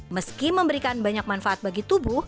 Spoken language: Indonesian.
meski memberikan banyak manfaat bagi tubuh